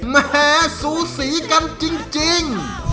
แหมสูสีกันจริง